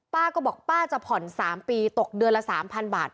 ป้าก็บอกป้าจะผ่อน๓ปีตกเดือนละ๓๐๐บาท